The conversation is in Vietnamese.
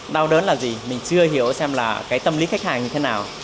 đau đớn là gì mình chưa hiểu xem là cái tâm lý khách hàng như thế nào